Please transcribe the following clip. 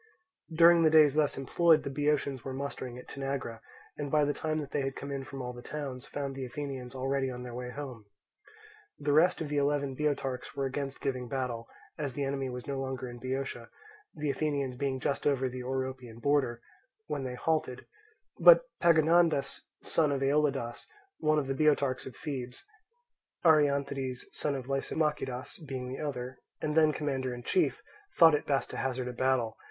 During the days thus employed the Boeotians were mustering at Tanagra, and by the time that they had come in from all the towns, found the Athenians already on their way home. The rest of the eleven Boeotarchs were against giving battle, as the enemy was no longer in Boeotia, the Athenians being just over the Oropian border, when they halted; but Pagondas, son of Aeolidas, one of the Boeotarchs of Thebes (Arianthides, son of Lysimachidas, being the other), and then commander in chief, thought it best to hazard a battle.